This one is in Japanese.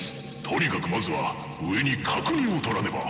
とにかくまずは上に確認をとらねば。